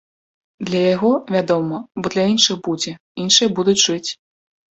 Для яго, вядома, бо для іншых будзе, іншыя будуць жыць.